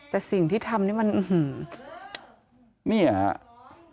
แต่สิ่งที่ทำไปมัน